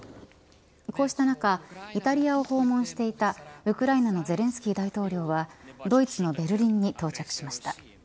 こうした中イタリアを訪問していたウクライナのゼレンスキー大統領はドイツのベルリンに到着しました。